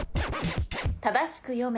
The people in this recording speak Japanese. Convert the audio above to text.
正しく読め。